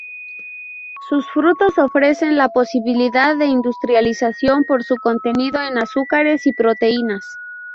Sus frutos ofrecen la posibilidad de industrialización por su contenido en azúcares y proteínas.